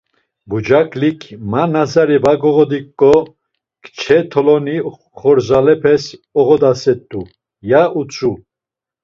Bucaklik “Ma nazari voğodiǩo kçe toloni xorzalepes ağodaset̆u.” ya utzu.